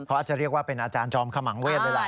เขาอาจจะเรียกว่าเป็นอาจารย์จอมขมังเวศเลยล่ะ